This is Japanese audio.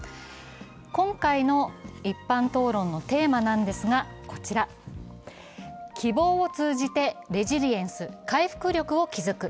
今回の一般討論のテーマなんですが、希望を通じてレジリエンスを築く。